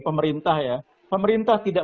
pemerintah ya pemerintah tidak